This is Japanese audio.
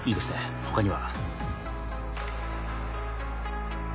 他には？